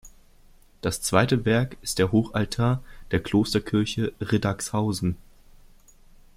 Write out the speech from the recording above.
Das zweite Werk ist der Hochaltar der Klosterkirche Riddagshausen.